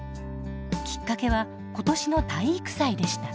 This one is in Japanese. きっかけは今年の体育祭でした。